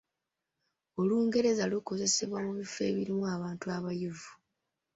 Olungereza lukozesebwa mu bifo ebirimu abantu abayivu.